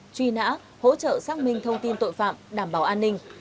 truy nã hỗ trợ xác minh thông tin tội phạm đảm bảo an ninh